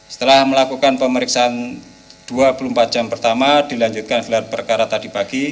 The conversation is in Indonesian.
setelah melakukan pemeriksaan dua puluh empat jam pertama dilanjutkan gelar perkara tadi pagi